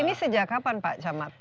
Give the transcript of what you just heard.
ini sejak kapan pak camat